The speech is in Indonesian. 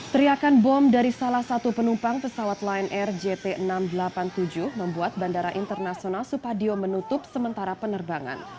teriakan bom dari salah satu penumpang pesawat lion air jt enam ratus delapan puluh tujuh membuat bandara internasional supadio menutup sementara penerbangan